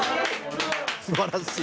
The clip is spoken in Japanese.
「すばらしい！」。